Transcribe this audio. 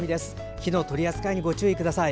火の取り扱いにご注意ください。